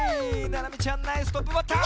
ななみちゃんナイストップバッター。